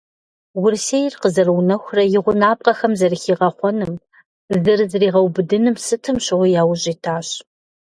Урысейр къызэрыунэхурэ и гъунапкъэхэм зэрыхигъэхъуным, зэрызригъэубгъуным сытым щыгъуи яужь итащ.